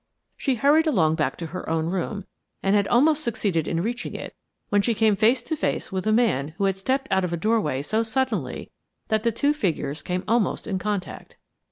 She hurried along back to her own room, and had almost succeeded in reaching it, when she came face to face with a man who had stepped out of a doorway so suddenly that the two figures came almost in contact.